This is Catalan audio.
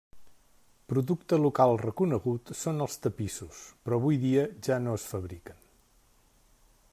Producte local reconegut són els tapissos però avui dia ja no es fabriquen.